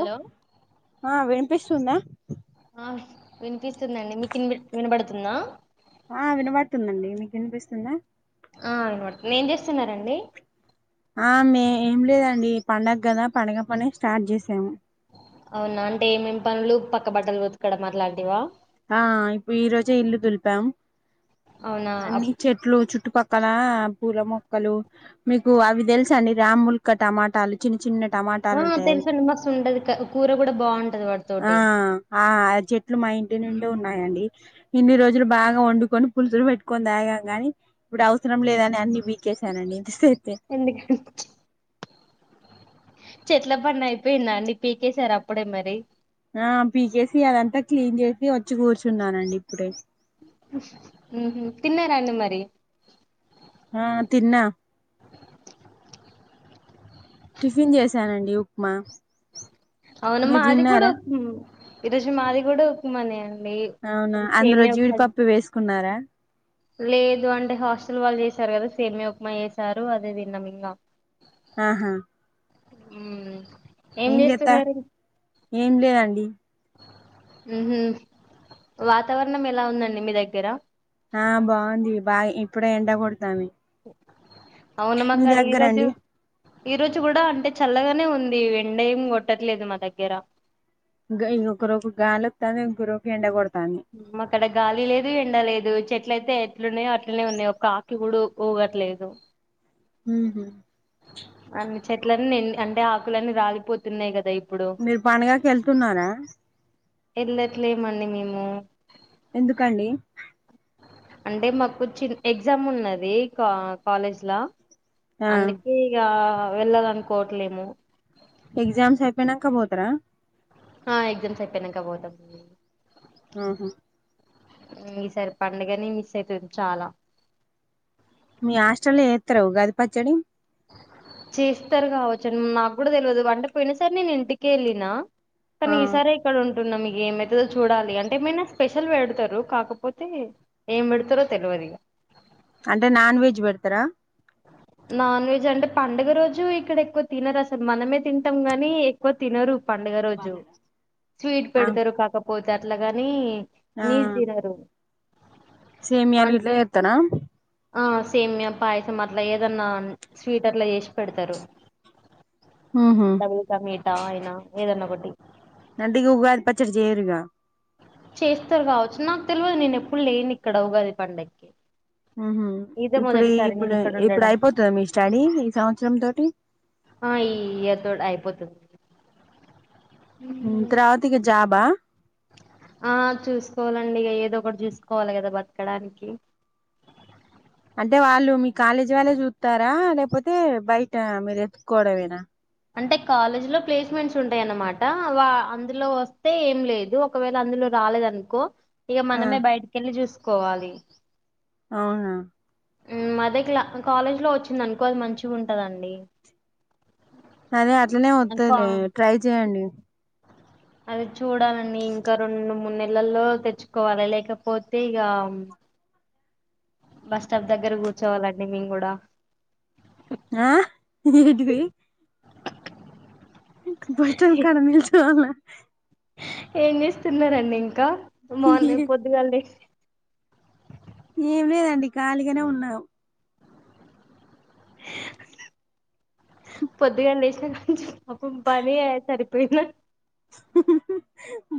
Hello ఆ వినిపిస్తుందా ఆ వినిపిస్తుందండి మీకు వినబడుతుందా ఆ వినబడుతుందండి మీకు వినిపిస్తుందా ఆ చేస్తున్నారనిచేస్తున్నండి ఆ మ ఏం లేదండి పండుగ కదా పండగ పనే స్టార్ట్ చేసాము అవునా అంటే ఏమేం పనులు పక్క బట్టలు బతుకడ మట్లాంటివా ఆ ఇప్పు ఈ రోజే ఇల్లు తులిపాం. అవునా అన్ని అప్- చెట్లు చు చుట్టుపక్కల పూల మొక్కలు మీకు అవి తెలుసా అండి రామ్ముల్క టమాటాలు చిన్న చిన్న. టమాటాలు ఉ ఉంటాయి అవి తెలుసండి మస్తు ఉండది కూర కూడా బాగుంటది ఆ వాటితోోటి ఆ అది చెట్లు మా దిండు ఉన్నాయండి ఇన్ని రోజులు బాగా వండుకొని పులుసులు పెట్టుకొని తాగాం కాని ఇప్పుడు అవసరం లేదని అన్ని పీకసానండి ఎందుక చెట్ల పడి అయిపోయిందాన్నిీ పీకేశారు అప్పుడే మరి ఆ పీకేసి అదంతా క్లీన్ చేసి వచ్చి కూర్చున్నానండి ఇప్పుడే తిన్నారంండి మరి ఆ తిన్నా టిఫిన్ చేశానండి ఉప్మా అవునమ్మా మీరు అది కూడా తిన్నారా ఈ రోజు మాది కూడా ఉకు మనే అండి అవునా అందురు సేమియా ఉప్మా జీడిపప్పు వేసుకున్నారా లేదు అంటే హాస్టల్ వాళ్ళు చేసారు కదా సేమ్య ఉప్మా చేసారు అదే విన్నాము ఇంకా ఆహా ఉ ఏం చేస్తున్నారు ఏం లేదండి వాతావరణం ఎలా ఉందండి మీ దగ్గర ఆ బాగుంది బాగా ఇప్పుడే ఎండ కొడతాను అవున మాక్కడ ఈ రోజు దగ్గరండి ఈ రోజు కూడా అంటే చల్లగా నే ఉంది ఎండ ఏం కొట్టట్లేదు మా దగ్గర ఇగ [unintelligible] రవ్వ ఎండ కొత అక్కడ గాలి లేదు ఎండ లేదు చెట్ ట్లయితే ఎట్లున్నాయో అట్లనే ఉన్నాయో ఒక ఆకి కూడా ఊగట్లేదు హ్మ్ హు అన్ని చెట్లని నిం అంటే ఆకులన్నీ రాలిపోతున్నాయి కదా ఇప్ మీర్ పండగకి వెళ్తున్నారా. వెళ్ళట్లేమండి మేము ఎందుకండి అంటే మాకు చి ఎగ్జామ్ ఉన్నది కా కాలేజ్లా ఆ అందుకే ఇగా వెళ్లాలనుకోవట్లేము ఎగ్జామ్స్ అయిపోయినాక పోతార ఆ ఎగ్జామ్స్ అయిపోయాక పోతాం ఆహా హ్మ్ ఈ సారి పండగని మిస్ అయితాది చాలా మీ హాస్టల్ లో యేస్తార ఉగాది పచ్చడి చేస్తారు కావచ్చండి మాక్ కూడా తెల్వీదు వంట ఫినిష్ర్ని నేన్ ఇంటికి వెళ్ళిన ఆ కానీ ఈసారే ఇక్కడ ఉం పున్నమ్మీకి ఏం పెడ్తారో చూడాలి అంటే ఏమన్నా స్పెషల్ పెడతారు, కాకపోతే ఏం పెడతారో తేల్వదిగా అంటే నాన్ వెజ్ పెడతారా నాన్ వెజ్ అంటే పండుగ రోజు ఇక్కడ ఎక్కువ తిన్నరు అసలు మనమే తింటాం, గాని ఎక్కువ తిన్నరు. పండుగ రోజు స్వీట్ ఆ పెడతారు కాకపోత్ అట్లాగానీ ఆ నీస్ తిన్నరు సేమియాలు ఇట్లాఎత్తనా ఆ సేమ్య పాయసం అట్లా ఏదన్నా స్వీట్ అట్లా చేసి పెడతారు ఉహు [unintelligible] మీఠా అయినా ఏదన్నా ఒకటి అంటే ఉగాది పచ్చడి చేయర్గా చేస్తారు కావచ్చు నాకు తెల్వదు నేను ఎప్పుడు లేన్ ఇక్కడ ఉగాది పండగకి మ్మ్ హ్మ్ ఇప్పుడు ఇప్పుడు ఇక్కడ ఇప్పుడు ఉండడం అయిపోతాది మీ స్టడీ ఈ సంవత్సరం తోటి పోతాది మ్ త్రవితిగా జాబా ఆ చూసుకోవాలండి ఇగ ఏదో ఒకటి చూసుకోవాలి కదా బతకడానికి అంటే వాళ్ళు మీ కాలేజీ వళ్ళే చూస్తారా లేకపోతే బయట మీరు ఎత్తుకోవడమేనా అంటే కాలేజ్ లో ప్లేస్మెంట్స్ ఉంటాయన్నమాట. వా అందులో వస్తే ఏం లేదు, ఒకవేళ అందులో రాలేదనుకో, ఇగ ఆ మనమే బయటకి వెళ్లి చూస్ కోవాలి అవునా మ దేక్లా కాలేజ్ లో వచ్చింది అనుకో అది మంచిగ ఉంటదండి. అదే అ అట్లనే అబ్బా వత్తదిలే ట్రై చేయండి అది చూడాలండి ఇంకా రెండు మూడు నెలల్లో తెచ్చుకోవాలి లేకపోతే ఇగ బస్ స్టాప్ దగ్గర కూర్చోవాలండి మేము కూడా ఆ [unintelligible] బస్టాండ్ కాడ నిల్చోవాలా? ఏం చేస్తున్నారండి ఇంకా మార్నింగ్ పొద్దుగాల లెస్ ఏం లేదండి ఖాళీగానే ఉన్నాము పొద్దుగల లేసినా పాపం పని సరిపోయి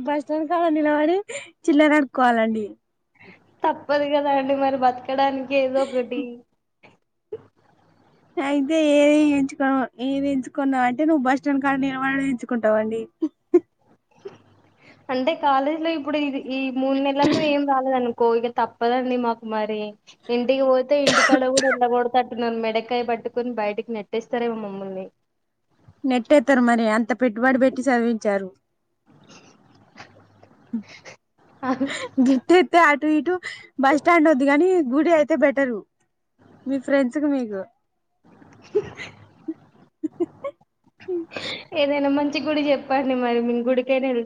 బస్ స్టాండ్ కాడ నిలవడి. చిల్లర అడుక్కోవాలండి తప్పదుగద కాదండి మరి బతకడానికి ఏదొ ఒకటి అయితే ఏది ఎంచుకో ఏది ఎంచుకున్నావు అంటే నువ్వు బస్ స్టాండ్ కాడ నిలవడు ఎంచుకుంటావండి అంటే కాలేజీ లో ఇప్పుడు ఇది ఈ మూడు నెలల్లో ఏం రాలేదనుకో ఇక తప్పదండి మాకు మరి ఇంటికి పోతే ఇంటికాడ గూడా ఎల్లగొడతాడ్ నన్ను మెడకాయ పట్టుకొని బయటికి నెట్టేస్తారేమో మమ్మల్ని నెట్టేత్తారు మరి అంత పెట్టుబడి పెట్టి చదివించారు గేట్టేత్తే అడ్ త్రీ టూ బస్ స్టాండ్ అద్దు గాని గుడి అయితే బెటరూ మీ ఫ్రెండ్స్ కు మీకు చి గుడి చెప్పండి మరి మేం గుడికైన వేల్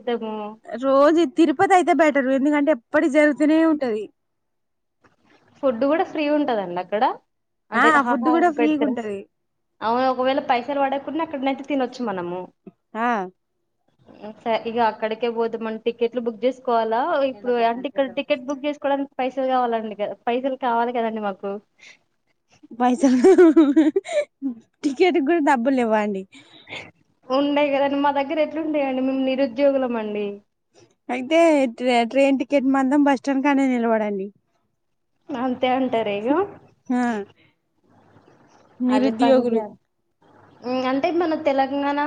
రోజు తిరుపతి అయితే బెట్ ఎందుకంటే ఎప్పుటికి జరుగుతనే ఉంటది ఫుడ్ కూడా ఫ్రీ ఉంటదండి అక్కడ ఆ అంటే ఆహ్ ఫుడ్ హరం కూడా ఫ్రీగా పెడతారా ఉంటది అవును ఒకవేళ పైసలు పడకున్న అక్కడనైతే తినొచ్చు మనము ఆ స ఇగ అక్కడికే పోదమ్ అని టికెట్లు బుక్ చేస్ కోవాలా ఇప్పుడు అంటే ఇక్కల టికెట్ బుక్ చేసుకోడానికి పైసలు పైసలు కావాలండిగ పైసలు కావాలి కదండి మాకు పైసలు టికెట్ కూడా డబ్బులు లేవా అండి ఉండయ్ కదండి మా దగ్గర ఎట్లుంటాయండి మేము నిరుద్యోగులం అండి అయితే ట్రైన్ టికెట్ మందం బస్ స్టాండ్ కాన్నే నిలబడండి అంతే అంటారా ఇగ ఆ నిరుద్యోగులు ఉ అంటే మన తెలంగాణ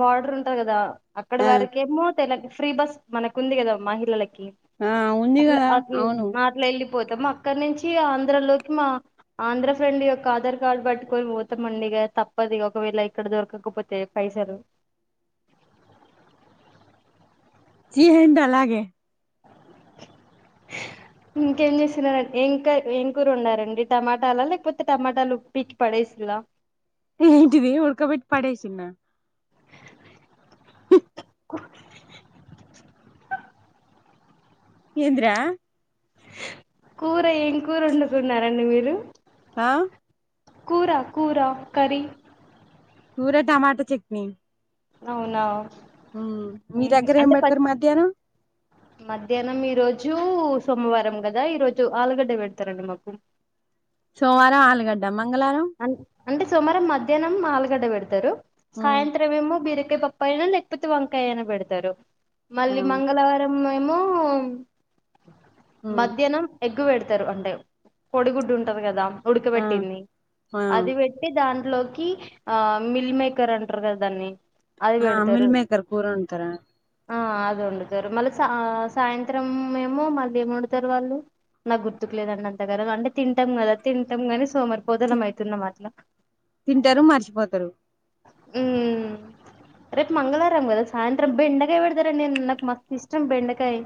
బార్డర్ ఉంటది కదా అక్కడ ఆ వరకేమో తెలక్ ఫ్రీ బస్ మనకు ఉంది కదా మహిళలకి కి ఆ ఉంది అట్ల కదా అట్ల అవును మా అట్లేళ్ళిపోతాం అట్ అక్కన్నించి ఆంధ్ర లోకి మా ఆంధ్ర ఫ్రెండ్ యొక్క ఆధార్ కార్డ్ బట్టి పోర్ పోతమండిగా తప్పదిగా ఒకవేళ ఇక్కడ దొరకకపోతే పైసలు జీహేంటలాగే ఇంకేం చేసినారం ఏంకరి ఏంకూరోండరండి టమాటాలా లేకపోతే టమాటాలు పికి పడేసిల్లా ఏంటిది ఉడకబెట్టి పడేసిన్న [inaudible] ఏందిరా కూర ఏం కూర వోండుకున్నారండి మీరు ఆ కూర కూర కరి కూర టమాటా చెక్ని అవునా ఉ మీ ఉహు. దగ్గర ఏం అంటే ప బెడతరు మధ్యాహ్నం మధ్యాహ్నం ఈరోజు సోమవారం కదా ఈరోజు ఆలుగడ్డ పెడుతరండి మాకు సోమవారం ఆలుగడ్డ మంగళవారం అన్ అంటే సోమారం మధ్యాహ్నం ఆలుగడ్డ పెడుతరు మ్మ్ సాయంత్రం ఎమో బిరక్ బిరకాయ పప్పు అయినా లేకపోతే వంకాయ అయిన పెడుతరు మళ్ళీ అవును మంగళవారం మేమో మ్మ్ మధ్యాహ్నం ఎగ్గు పెడతారు అంటే కోడిగుడ్డు ఉంటది కదా ఆ ఉడకబెట్టింది ఆ అది పెట్టి దాంట్లోకి ఆ మిల్ మేకర్ అంటారు కదా దాన్ని అది ఆ పెడతారు మిల్మేకర్ కూర అండుతరూ ఆ ఆ అద వండుతారు మళ్ళీ సాయంత్రం ఏమో మళ్ళీ ఏం వండుతారు వాళ్ళు నాకు గుర్తుకు లేదండి అంత కర అంటే తింటాం కదా తింటాం కాని సోమరి బోధన అవుతున్న మాట్లా తింటారు మర్చిపోతారు ఉం రేపు మంగళవారం కదా సాయంత్రం బెండకాయ పెడతారండి నాకు మస్త్ ఇష్టం బెండకాయ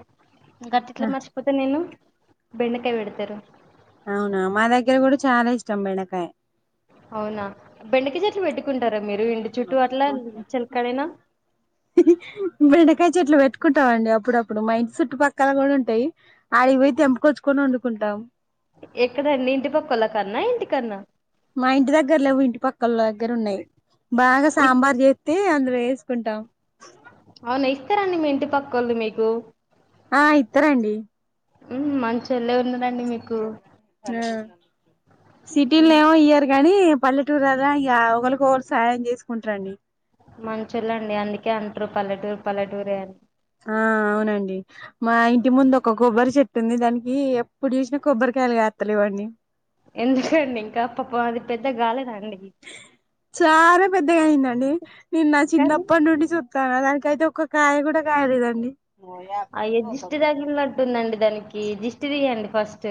గట్టిట్ల మర్చిపోత నేను బెండకాయ పెడతారు అవునా మా దగ్గర కూడా చాలా ఇష్టం బెండకాయ అవునా బెండక చెట్లు పెట్టుకుంటారా మీరు ఎంటి చుట్టూ అట్లా చిలకడైనా చకుంటాం అండి అప్పుడప్పుడు మ ఇంటి చుట్టుపక్కల కూడా ఉంటాయి ఆడి పోయి తెంపకొచ్చుకొని వండుకుంటాం ఎదాన్ని ఇంటి పక్కోలా కన్నా ఇంటి కన్నా మా ఇంటి దగ్గర లేవు ఇంటి పక్కళ దగ్గర ఉన్నాయి బాగా ఇ సాంబార్ చేస్తే అందులో వే తీసుకుంటాం అవునా ఇస్తారంండి మీ ఇంటి పక్క వాళ్ళు మీకు ఆ ఇతరండి ఉ మంచించి ీ సిటీ ఉమ్, నవ ఇయర్ కాని పల్లెటూరుద ఇ ఒకరికి ఒకరు సాయం చేసుకుంటారంండి మంచుళ్ళండి అందుకే అంటారు పల్లటూరు పల్లటూరే అని ఆ అవునండి మా ఇంటి ముందు ఒక కొబ్బరి చెట్టుంది దానికి ఎప్పుడు చూసినా కొబ్బరికాయలుగాస్తలేవ్వండి ఎందుకండి ఇంకా పాప అది పెద్ద గాలి నాండి చాలా పెద్దగాయిందండి నేను నా కానీ చిన్నప్పటి నుండి చ కా దానినికి అయితే ఒక్క కాయ కూడా కాయలేదండి అజిస్ట్ తగిళంటుందండి దానికి ఎజిస్ట్ తీయండి ఫస్ట్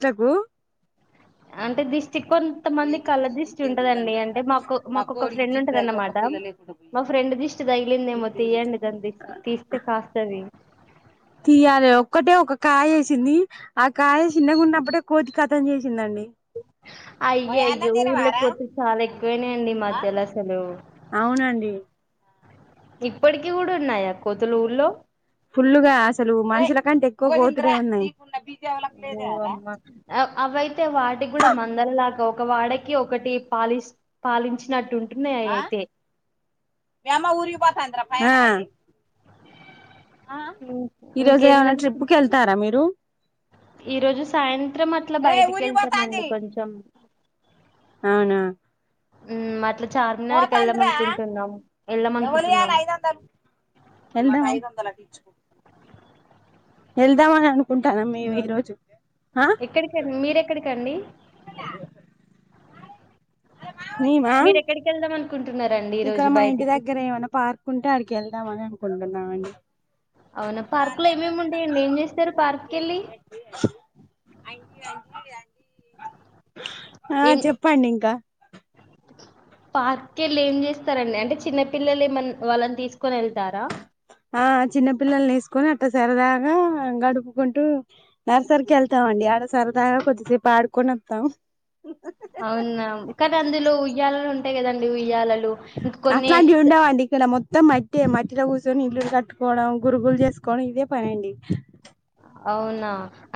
ఇకు అంటే దిష్ చి కొంతమంది కళ్ళ దిష్టి ఉంటదండి అంటే మాకు మాకుొ ఒక ఫ్రెండ్ ఉంటంది అన్నమాట మా ఫ్రెండ్ దిష్టి తగిలింది ఏమో తీయండి దాన్ని తీస్తే కాస్తుంది తీయాలి ఒక్కటే ఒక కాయ వేసింది ఆ కాయ చిన్నకున్నప్పుడే కోతి కతం చేసిందండి అయ్య అయ్యో ఊళ్ళకపోతే చాలా ఎక్కువనాయంండి మధ్యలో అసలు అవునండి ఇప్పటికి కూడా ఉన్నాయా కోతుల ఊర్లో ఫుల్లుగా అసలు మనుషుల కంటే ఎక్కువ కోతులు ఉన్నాయి ఓ అమ్మా అవై అయితే వాటికి కూడా మందల లాగా ఒక వాడకి ఒకటి పాలి పాలించినట్టు ఉంటున్నాయి అవి ఆ అయితే ఎమ్మా ఊరికిపోతాంద ప ఈ రోజు ఇంకేం ఏమైనా ట్రిప్ నడుస్తుంది కి వెళ్తారా మీరు ఈరోజు సాయంత్రం అట్లా బయటికి వెళ్తామండి కొంచెం అవునా హ్మ్ మతల ఓతంద్ర వెళ్దాం ఎవలి అనుకుంటున్నాం ఐద వందలు ఐ వందల తీచ్కు వెళ్దామని అనుకుంటునమ్ము మేము ఈ రోజు ఆ ఎక్కడికండి మీరెక్కడికండి మేమా మీర ఎక్కడికి వెళ్దాం అన్ ఇక్కడ మా ఇంటి దగ్గర ఏమన్నా పార్క్ ఉంటే అడికి వెళ్దాం అని అన్క్ కుంటున్నామండి అవునా పార్క్ లో ఏమేమి ఉంటాయండి. ఏం చేస్తారు పార్క్కి వెళ్ళి ఆ చెప్పండి ఇంకా పార్క్ వెళ్ళి ఏం చేస్తారారండి అంటే చిన్న పిల్లలు ఏమనా వాళ్ళని తీసుకొని వెళ్తారా ఆ చిన్నపిల్లల్ వేసుకొని అట్ట సరదాగా గడుపుకుంటూ, నర్సరికి వెళ్తాం అండి. ఆడ సరదాగా కొద్దిసేపు ఆడుకొని వాత్తం అవునా కానీ అందులో ఉయ్యాలలూన్ ఉంటాయ్ కదండి ఉయ్యాలల్ అట్లాంటి ఉండవండి ఇక్కడ మొత్తం అయ్ అంటే మట్టిలో కూర్చొని ఇల్లులు కట్టుకోవడం గురుగులు చేసుకోవడం ఇవే పని అండి. అవునా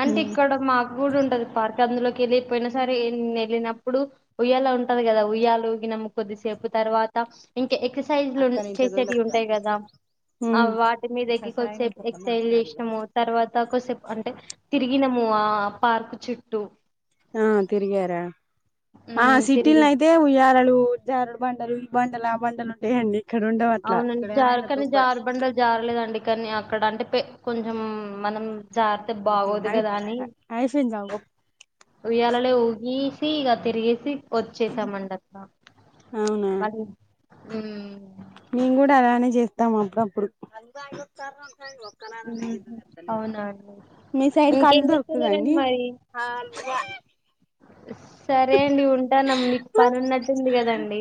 అంటే ఇక్కడ మాక్ కూడా ఉండది పార్క్ అందులోకి వెళ్ళిపోయిన సరే వెల్ వెళ్ళినప్పుడు ఉయ్యాల ఉంటది కదా, ఉయ్యాలుగినము కొద్దిసేపు తర్వాత ఇంకా ఎక్సర్సైజ్లు ఉం చేసేవి ఉంటాయి కదా, ఆ ఉమ్ వాటి మీద ఎక్కి కోద్సేఫ్ ఎక్సర్సైజ్ చేస్న్నాము తర్వాత కోసేప్ అంటే తిరిగినము ఆ పార్కు చుట్టూ మ్ తిరిగార ఆ హ్మ్. తిరిగి సిటీలైయితే ఉయ్యాలలు జారుడు బండలు ఈ బండలు ఆ బండలు ఉంటాయండి. ఇక్కడ ఉండవు అట్లా అవునండి జారు కానీ జారుబండలు జారలేదండి. కాని అక్కడ అంటే పే కొంచం మనం జాగతే బాగోదు అయి కదా అని అయిపోయిందా ఉయ్యాలలో ఊగి తీగా తిరగేసి వచ్చేసామండక్క అవునా మళ్ళీ హ్మ్ మేము కూడా అలానే చేస్తాము అప్పుడప్పుడు మ్మ్. అవునా అండి మీ సైడ్ కళ్ ఇంకేం దొరుక్తున్నాయ్ చేస్తున్నారండి మరి అండి సరే అండి ఉంటాను మీకు పని ఉన్నట్టుంది కదండి.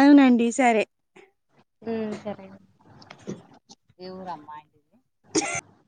అవునండి సరే